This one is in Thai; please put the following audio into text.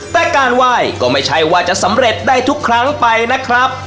แต่การไหว้ก็ไม่ใช่ว่าจะสำเร็จได้ทุกครั้งไปนะครับ